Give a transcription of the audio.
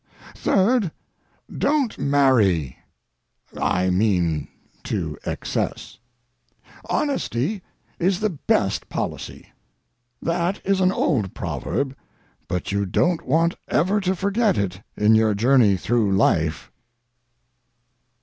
Third, don't marry—I mean, to excess. Honesty is the best policy. That is an old proverb; but you don't want ever to forget it in your journey through life.